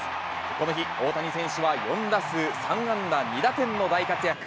この日、大谷選手は４打数３安打２打点の大活躍。